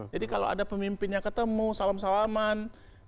jadi kalau ada pemimpinnya ketemu salam salaman